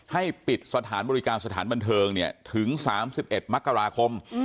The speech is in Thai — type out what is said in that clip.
ให้ปิดสถานบริการสถานบันเทิงถึง๓๑มกราคม